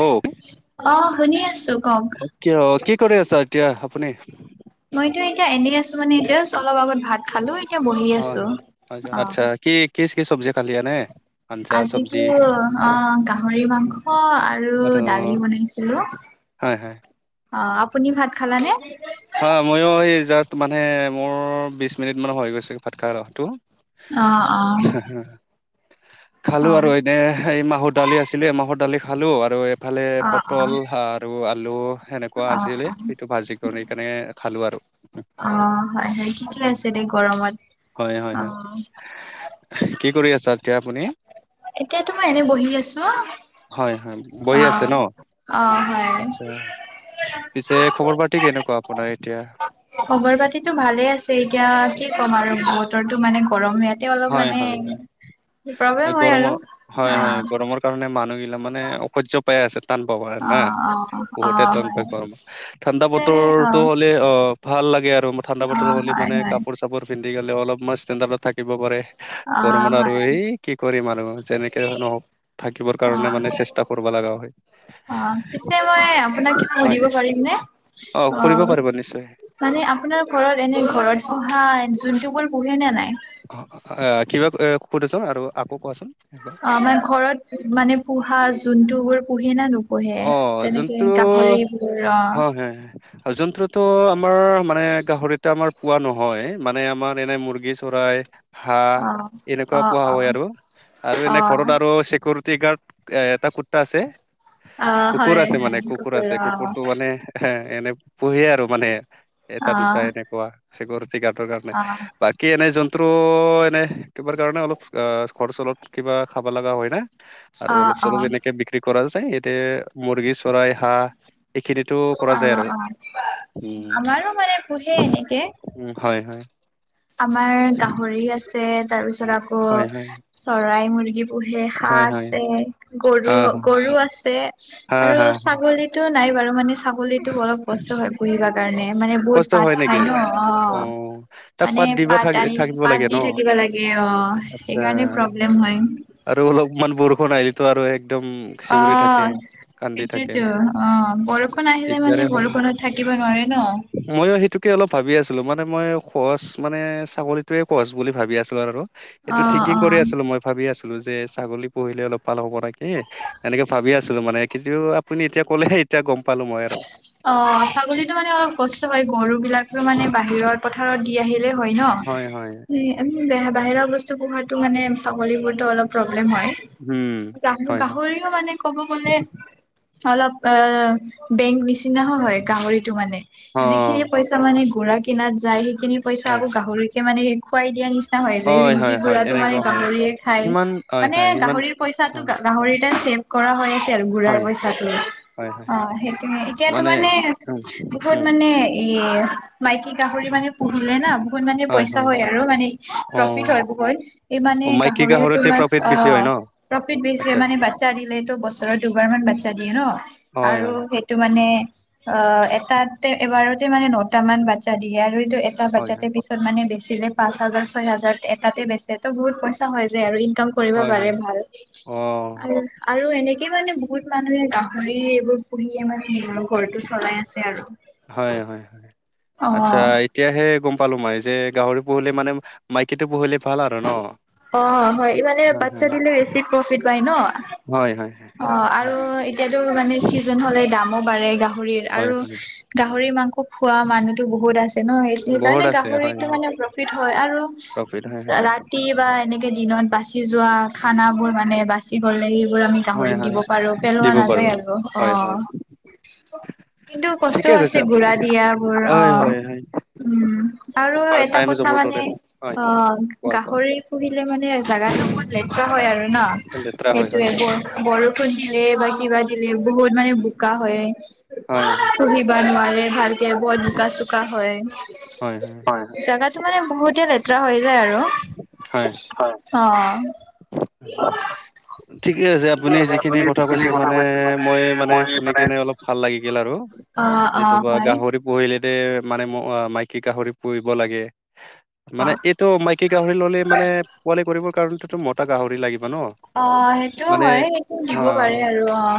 অ', অ', শুনি আছো কওঁক। কিয়, কি কৰি আছা এতিয়া আপুনি? মইতো এতিয়া এনেই আছোঁ, মানে জাষ্ট অলপ আগত ভাত খালোঁ। হয়, হয়, আচ্ছা। কি, কিচ, কিচ, চবজী খালি এনে? আঞ্জা, চব্জি আজিতো অ', গাহৰি মাংস আৰু দালি বনাইছিলোঁ। হয়, হয়। অ', আপুনি ভাত খালানে? হা মইয়ো এই জাষ্ট মানে, মোৰ বিছ মিনিটমান হৈ গৈছে ভাত অ অ [unintelligible] খালো অ আৰু এই এ এই মাহৰ দালি আছিলে, মাহৰ দালি খালোঁ আৰু এইফালে অ পটল আৰু আলু সেনেকুৱা অ অ আছিলে, অ সেইটো ভাজি কৰি কেনে খালোঁ আৰু। অ', হয়, হয় ঠিকে আছে দে গৰমত হয়, হয়, হয়, অ'। কি কৰি আছা, এতিয়া আপুনি? এতিয়াতো মই এনে বহি আছোঁ। হয়, হয়, বহি আছে ন। অ হয় আচ্ছা, পিছে খবৰ পাতি কেনেকুৱা? আপোনাৰ এতিয়া। খবৰ পাতিটো ভালে আছে এতিয়া, কি ক'ম আৰু বতৰো মানে গৰম হৈ আছে। তেওঁলোক হয়, হয়, হয়, মানে প্ৰব্লেম হয় গৰমৰ আৰু, হয়, হয়, অ'। গৰমৰ কাৰণে মানুহবিলাক মানে অসহ্যক পাই আছে টান পাবা অ না, অ অ বহুতে টান হয় পায় গৰম, ঠাণ্ডা পিছে অ বতৰটো হ'লে অ', ভাল লাগে আৰু, ঠাণ্ডা অ বতৰ হ'লে হয় মানে হয় কাপোৰ-চাপোৰ পিন্ধি গ'লে অলপ মান মানষ্টেণ্ডাৰ্ডত থাক থাকিব পাৰে, অ গৰমত আৰু হয় এই কি কৰিম আৰু যেনেকে নহওঁক থাকিবৰ অ কাৰণে মানে চেষ্টা কৰিব লগা হয়, অ পিছে মই আপোনাক কিবা হয়। সুধিব পাৰিম নে অ', কৰিব পাৰিবা নিশ্চয়। মানে আপোনাৰ ঘৰত এনে, ঘৰত পোহা জন্তুবোৰ পোহে নে নাই? অ', কিবা সুধিছো আৰু আকৌ কোৱাচোন একবাৰ। অ', আমাৰ ঘৰত মানে পোহা জন্তুবোৰ পোহে নে নো পোহে। অ তেনেকে গাহৰিবোৰৰ আৰু জন্তুটো আমাৰ মানে গাহৰিতে আমাৰ পোৱা নহয়। মানে আমাৰ এনে মুৰ্গী চৰাই হাঁহ অ অ এনেকুৱা পোৱা অ হয় আৰু আৰু অ এনে ঘৰত আৰু চিকিউৰিটি গাৰ্ড এ এটা কুটটা আছে, অ কুকুৰ হয় আছে মানে হয় কুকুৰ আছে, কুকুৰটো অ মানে- এ এনে পোহে আৰু মানে এটা অ দুটা এনেকুৱা চিকৰিটি গাৰ্ডৰ কাৰণে। অ বাকী এনে জন্তু এনে কিবাৰ কাৰণে অলপ খৰচলত কিবা খাব লগা হয় না? আৰু অ', অলপ-চলপ অ', এনেকে বিক্ৰী কৰা যায় ইয়াতে মুৰ্গী, চৰাই, হাঁহ। এইখিনিতো কৰা যায় অ', আৰু অ', উম। আমাৰো মানে পোহে এনেকে। উমঁ' হয় হয়। আমাৰ গাহৰি আছে তাৰপিছত আকৌ হয় হয় চৰাই, মুৰ্গী পুহে হয় হাঁহ হয় আছে, হা হা গৰু-গৰু আছে হা আৰু হা ছাগলী টো নাই বাৰু মানে ছাগলীতো অলপ কষ্ট হয় পুহিবা অ, কাৰণে মানে কষ্ট বহুত হয় পাত নেকি খাই ন, অ',। অ',। ত' মানে পাত দিবা থ আনি থাকিব পাত লাগে দি ন, থাকিব লাগে অ', আচ্ছা। সেইকাৰণে প্ৰব্লেম হয়। আৰু অলপমান বৰষুণ আহিলেটো আৰু একদম চিঞঁৰি থাকে, অ', কান্দি থাকে। সেইটোয়েতো অ', বৰষুণ আহিলে মানে বৰষুণত থাকিব নোৱাৰে ন। মইয়ো সেইটোকে অলপ ভাবি আছিলো মানে মই সহজ মানে ছাকলীটোয়ে সহজ বুলি ভাবি আছিলো আৰু। এইটো অ', থিংকিং কৰি অ'। আছিলো। মই ভাবি আছিলো যে ছাগলী পঢ়িলে অলপ ভাল হ'ব নে কি। এনেকে ভাবি আছিলো মানে কিন্তু আপুনি এতিয়া ক'লেহে এতিয়া গম পালো মই। আৰু। অঁ' ছাগলীতো মানে অলপ কষ্ট হয়, গৰু বিলাকতো মানে বাহিৰত পথাৰত দি আহিলে হয় ন' আমি বাহিৰৰ বস্তু পোহাতো মানে ছাগলীবোৰতো অলপ প্ৰব্লেম হয়, উম হয় হয় গাহৰি টো মানে ক'ব গ'লে অলপ বেংক নিচিনা। নিচিনা হয় গাহৰিতো মানে অ যিখিনি পইচা মানে গু়ৰা কিনাত যায় সেইখিনি পইচা হয় আকৌ গাহৰিকে মানে খুৱাই দিয়া নিচিনা হয় যে। হয় যি [unintelligible] হয় ৰাটো এনেকুৱা মানে হয় গাহৰিয়ে খায়। সিমান হয় মানে হয় সিমান গাহৰিৰ অ পইচাটো গাহৰিটে আছে। কৰা হৈ আছে আৰু গুৰাৰ হয় পইচাটো, হয় হয় অঁ' সেইটোৱে, এতিয়াতো মানে উম বহুত উম মানে এ মাইকী গাহৰি মানে পুহিলে ন'- বহুত মানে পইচা হয় আৰু মানে অ প্ৰফিট হয় বহুত, এই মানে অ, মাইকী গাহৰি গাহৰিতে তোমাৰ প্ৰফিট বেছি হয় অঁ'। ন প্ৰফিট বেছি আচ্ছা মানে বাচ্ছা দিলেতো বছৰৰ দুবাৰমান বাচ্ছা দিয়ে ন' হয় আৰু হয় সেই মানে অঁ' এটা এবাৰতে মানে ন দুটামান বাচ্ছা দিয়ে আৰু এইটো এটা হয় হয় বাচ্ছাতে পিছত মানে বেচিলে পাঁচ হাজাৰ ছয় হাজাৰ এটাতে বেচে। তো বহুত পইচা হয় যায় আৰু ইনকাম কৰিব হয় হয় পাৰে ভাল অ', আৰু। আৰু এনেকে মানে বহুত মানুহে গাহৰি এইবোৰ পুহিয়ে মানে- নিজৰ ঘৰটো চলাই আছে আৰু। হয় হয় হয়, আচ্ছা' অ'। এতিয়াহে গম পালো মই যে গাহৰি পুহিলে মানে মাইকীটো পুহিলি ভাল আৰু ন'? অ', হয় মানে হয় বাচ্ছা হয় দিলে বেছি হয়। অঁ' আৰু এতিয়াতো মানে চিজন হ'লে দামো বাঢ়ে গাহৰিৰ হয়, আৰু হয়। গাহৰি মাংস খোৱা মানুহতো বহুত আছে ন' সে বহুত সেইকাৰণে আছে হয়, গাহৰিটো হয়, মানে প্ৰফিট হয় আৰু প্ৰফিট হয়, হয়, ৰাতি বা এনেকে দিনত বাচি যোৱা খানা বোৰ মানে বাচি গ'লে সেইবোৰ আমি হয়, গাহৰিক দিব হয়, পাৰো, পেলোৱা দিব পাৰো। নাযায় আৰু হয়, হয়, অঁ'। কিন্তু ঠিকে কষ্টও আছে কৈছে আপুনি। গুৰা দিয়াবোৰ হয়, অঁ। হয়, হয়, উম, আৰু পাৰ্ট এটা টাইম কথা জবৰ মানে দৰে হয়, অঁ, কোৱা, কোৱা গাহৰি পুহিলেমানে জাগাটো বহুত লেতেৰা হয় আৰু ন'? লেতেৰা হয়, হয়। সেইটোৱে বৰ বৰষুণ দিলে বা কিবা দিলে বহুত মানে বোকা হয়। হয়, পুহিব নোৱাৰে ভালকে বহুত বোকা-চোকা হয়। হয়, জাগাটো মানে বহুতে লেতেৰা হৈ যায় আৰু। হয়। অঁ। ঠিকে আছে। আপুনি যিখিনি কথা কৈছে মানে, মই মানে, শুনি কেনে অলপ ভাল লাগি গেল আৰু। অঁ, অঁ হয়। পুহিলেতে মানে ম মাইকী গাহৰি পুহিব লাগে। অ মানে, এইটো মাইকী গাহৰি ল'লে মানে পোৱালি কৰিবৰ কৰণেটোতো মতা গাহৰি লাগিব ন'? অঁ, সেইটো মানে হয়। সেইটো দিব পাৰে আৰু অঁ।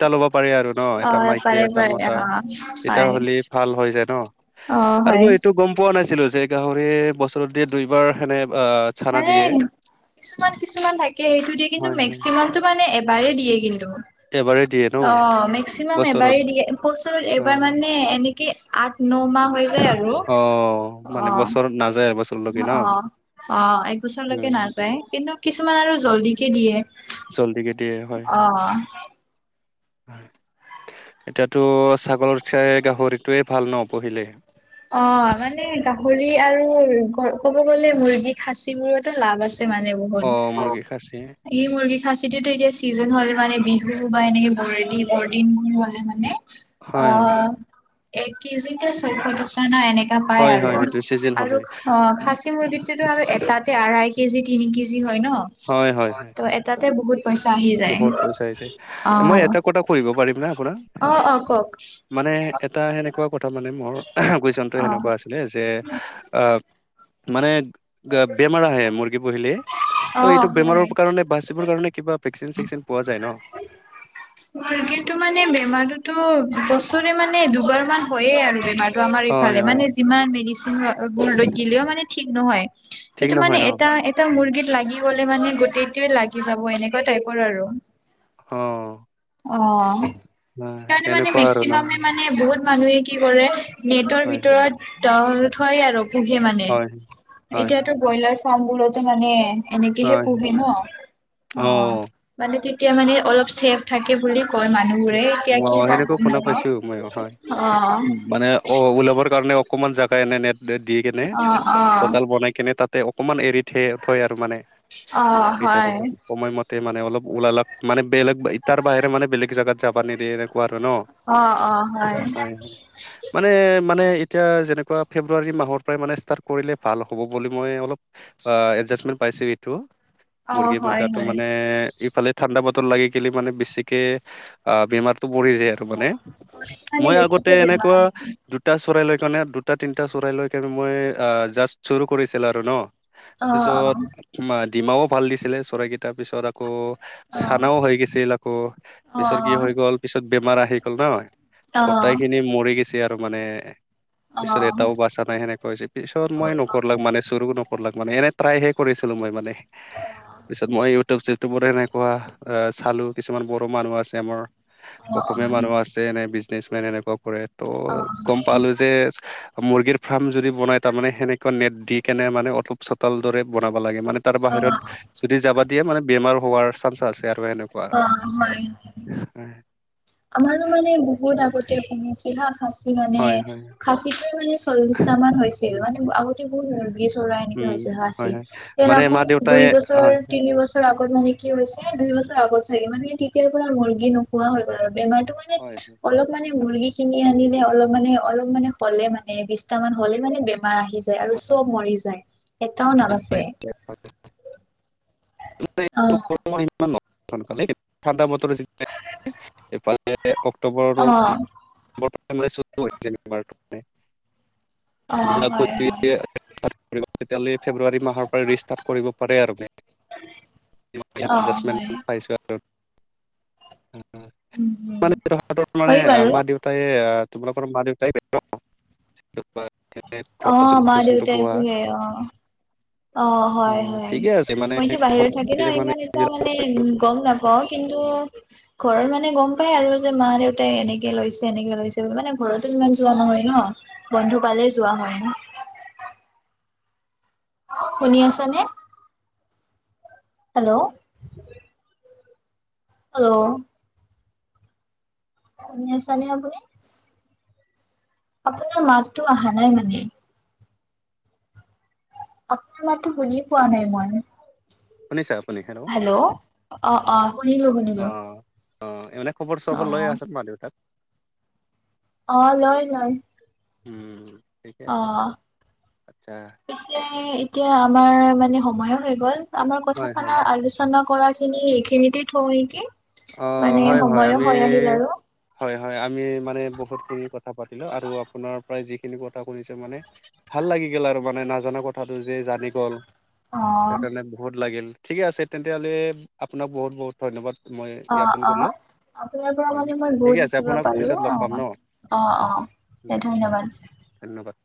টা ল'ব পাৰে আৰু। ন' এটা মাইকী, এটা পাৰে অ মতা তেতিয়া হ'লে হয় ভাল হৈ যায় ন'? অ', আৰু হয় মই এইটো গম পোৱা নাছিলোঁ যে গাহৰি বছৰতে দুইবাৰ সেনে আ মানে, কিছুমান কিছুমান থাকে সেইটো দিয়ে কিন্তু হয় হয় মেক্সিমামে টো মানে এবাৰেই দিয়ে কিন্তু। এবাৰে দিয়ে ন অঁ, মেক্সিমাম বছৰত এবাৰেই দিয়ে। বছৰত অ। এবাৰ মানে এনেকে আঠ, ন মাহ হৈ যায় আৰু অ মানে অঁ। বছৰত নাযায় এবছৰ। অঁ, অঁ একবছৰলৈকে উম নাযায়। কিন্তু কিছুমান আৰু জল্ডিকে দিয়ে। জল্দিকে দিয়ে হয়, অ', হয়। এতিয়াটো ছাগলৰ চাই গাহৰিটোৱে ভাল ন' পুহিলে। অঁ, মানে গাহৰি আৰু ক ক'ব গলে মুৰ্গী খাচী বোৰটো এটা লাভ আ ছে মানে, বহুত। অ মুৰ্গী খাচী ই মুৰ্গী খাছীটোতো এতিয়া চিজন হ'লে মানে বিহু বা এনেকে বৰদি বৰদিনবোৰ হ'লে মানে হয় হয় অঁ, এক কেজিতে ছয়শ টকা না এনেকা পাই হয় আৰু। হয় সেইটো চিজন হ'লে আৰু অঁ, খাছ মুৰ্গীটোতো আৰু এটাতে আঢ়াই কেজি, তিনি কেজি হয় ন'? হয়, ত' এটাতে বহুত পইচা আহি যায়। বহুত পইচা আহিছে মই অঁ, এটা কথা কৰিব পাৰিম না আপোনাক অঁ, অঁ কওক? মানে এটা সেনেকুৱা কথা মানে, মোৰ কুৱেচনটো অ সেনেকুৱা আছি লে যে আব মানে, গে বেমাৰ আহে মুৰ্গী পুহিলে। অ ত' এইটো বেমাৰৰ হয় কাৰণে বাচিবৰ কাৰণে কিবা ভেকচিন-চেকচিন পোৱা যায় ন'? মুৰ্গীটো মানে, বেমাৰটোতো বছৰে মানে দুবাৰ মান হয়য়ে আৰু বেমাৰ। ত ' আমাৰ হয় ইফালে হয় মানে যিমান মেডিচিন আ বোৰ লৈ দিলেওঁ মানে ঠিক নহয়। ঠিক এইটো নহয় মানে ন এটা এ টা মুৰ্গীত লাগি গ'লে মানে গোটেইটোৱে লাগি যাব এনেকুৱা টাইপৰ আৰু। অঁ। অঁ, সেইকাৰণে মানে, এনেকুৱা আৰু ন মেক্সিমামে হয় মানে, বহুত মানুহে কি কৰে? নেটৰ হয় ভিতৰত তলত থই আৰু। পুহে মানে, হয় হয় এতিয়াটো ব্ৰইলাৰ ফাৰ্ম বোৰতো মানে হয়। এনেকেহে পোঁহে ন'? অঁ, অ', মানে তেতিয়া মানে অলপ ছেভ থাকে বুলি কয় মানুহ বোৰে। এতিয়া কি অ', কৰে সেনেকৈ গম শুনা নাপাওঁ, পাইছো মইও হয়। অঁ। মানে অ, ওলাবৰ কাৰণে অকমান জোগা এনে নেট-টেদ দি কেনে, অ', অ', চোতাল বনাই কেনে তাতে অক অকমান এৰি থে থয় আৰু মানে অ', হয়। কেইটামানক। সময়মতে মানে অলপ ওলালাক মানে বেলেগ তাৰ বাহিৰে মানে বেলেগ জাগাত যাব নিদিয়ে। কোৱাটো ন? অ', অ', হয় হয়। মানে মানে, এতিয়া যেনেকুৱা ফেব্ৰুৱাৰী মাহৰ পৰাই মানে ষ্টাৰ্ট কৰিলে ভাল হ'ব বুলি মই অলপ। এডজাষ্টমেণ্ট পাইছো এইটো। অ', মৰ্গী হয়, মুৰ্গাটো হয়, মানে ইফালে ঠাণ্ডা বতৰ লাগি গেলি মানে বেছিকে। আহ বেমাৰটো পৰি যায় আৰু মানে মানে মই আগতে বেছিকে বেমাৰ এনেকুৱা। আহে। দুটা চৰাই লৈ কেনে দুটা তিনিটা চৰাই লৈ কেনে মই জাষ্ট চুৰু কৰিছিল আৰু ন। অ', পিছত অ', ডিমাও ভাল দিছিলে চৰাইকেইটা পিছত আকৌ। অ', চানাও হৈ গৈছিল আকৌ পিছত কি অ', হৈ গ'ল পিছত বেমাৰ আহি গ'ল নহ। অ', অ', অ', গোটাই খিনি মৰি গৈছে আৰু মানে। পিছত এটাও অ', বাচা নাই সেনেকুৱা হৈছে পিছত অ', অ', অ', মই নকৰলাক মানে। নকৰলাক মানে এনে ট্ৰাইহে কৰিছিলো মই মানে। পিছত মই ইউটিউব চিউটুবত এনেকুৱা এ চালো কিছুমান বড়ো মানুহ আছে। আমাৰ অ', অ', অসমীয়া মানুহ আছে এনে বিজনিছ মেন এনেকুৱা কৰে। ত' গম হয়, পালো যে। মুৰ্গীৰ ফাৰ্ম যদি বনাই তাৰ মানে সেনেকুৱা নেট দি কেনে মানে অলপ চতাল দৰে বনাব লাগে মানে। তাৰ বাহিৰত অ', যদি যাবা দিয়ে মানে বেমাৰ হোৱাৰ চানছ আছে আৰু সেনেকুৱা। অ', হয়। [unintelligible] [inaudible] আমাৰো মানে বহুত আগতে পুহিছিলোঁ হা, খাচী মানে হয় হয় খাচীটো মানে। চল্লিশটা মান হৈছিল উম মানে আগতে বহুত মুৰ্গী চৰাই এনেকুৱা উম, হৈছে। হয় হয় মানে মা [unintelligible] [unintelligible] দেউতাই দুই বছৰ হয় হয় তিনিবছৰ। আগত মানে কি হৈছে দুই বছৰ আগত চাগে মানে তেতিয়াৰ পৰা মুৰ্গী নোহোৱা হৈ গ'ল আৰু বেমাৰটো মানে। হয় হয় অলপ। মানে মুৰ্গী কিনি আনিলে অলপ মানে অলপ মানে হ'লে মানে বিশটা মান হ'লে মানে বে। বমাৰ আহি যায় আৰু চব মৰি যায় এটাও নাবাচে। [unintelligible] অ', [unintelligible] ঠাণ্ডা বতৰ [unintelligible] এইফালে অক্টোবৰৰ [unintelligible] অ', অ', পিছত আকৌ হয়, দি হয়, [unintelligible] [unintelligible] ফেব্ৰুৱাৰী মাহৰ পৰা ৰিষ্টাৰ্ট কৰিব পাৰে আৰু। অ', হয়। [unintelligible] পাইছো আৰু। [unintelligible] উম, উম, মানে, হয় বাৰু। মা-দেউতাই, তোমালোকৰ মা-দেউতাই [unintelligible] অ মা দেউতাই [unintelligible] পোহে অ, অ, হয় হয়। ঠিকে আছে মানে মইতো বাহিৰত থাকি ন, [unintelligible] মানে [unintelligible] মানে, এইবিলাক গম নাপাওঁ কিন্তু। ঘৰৰ মানে গম পাই আৰু যে মা-দেউতাই এনেকে লৈছে, এনেকে লৈছে বুলি। মানে, ঘৰতো ইমান যোৱা নহয় ন'। বন্ধুকালে যোৱা হয় ন'। শুনি আছা নে? হেল্ল'। হেল্ল'। শুনি আছা নে, আপুনি? আপোনাৰ মাতটো অহা নাই, মানে। আপোনাৰ মাতটো শুনি পোৱা নাই মই। শুনিছে আপুনি? হেল্ল অ অ‌ শুনিলো অ শুনিলো। অ অ খবৰ-চবৰ লৈয়ে আছ মা-দেউতাৰ। অ লয় লয়। উম ঠিকেই আছে অ আচ্ছা। পিছে এতিয়া আমাৰ মানে সময়ো হৈ গ'ল আমাৰ হয় কথা হয় আলোচনা কৰা খিনি এইখিনিতে থওঁ নেকি অ মানে হয় হয় সময়ো হৈ আহিল আমি আৰু হয় হয় আমি মানে বহুতখিনি কথা পাতিলো। আৰু আপোনাৰ প্ৰায় যিখিনি কথা শুনিছোঁ মানে ভাল লাগি গ'ল আৰু মানে নাজানা কথাটো যে জানি গ'ল। অ সেই কাৰণে বহুত ভাল লাগিল ঠিকে আছে তেন্তে হ'লে আপোনাক বহুত বহুত ধন্যবাদ। মই অ জ্ঞাপন অ কৰিলো। আপোনাৰ পৰা হয় মানে মই ঠিকে বহুত আছে শিকিব আপোনাক পালোঁ পিছত লগ অ পাম ন অ অ দে ধন্যবাদ। ধন্যবাদ।